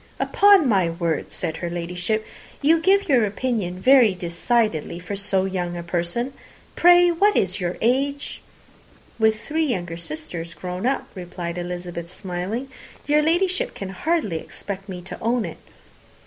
"Upon my word," said her Ladyship, "you give your opinion very decidedly for so young a person. Pray, what is your age?" "With three younger sisters grown up," replied Elizabeth, smiling, "your Ladyship can hardly expect me to own it."